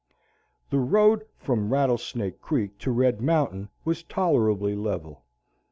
The road from Rattlesnake Creek to Red Mountain was tolerably level.